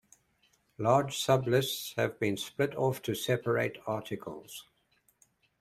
Large sublists have been split off to separate articles.